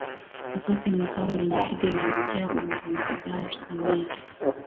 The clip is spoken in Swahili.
Nafasi ya Makamu Mwenyekiti iliangukia kwa Mzanzibari Samia